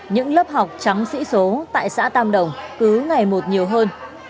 những lớp học trắng sĩ số tại xã tam đồng cứ ngày một nhiều hơn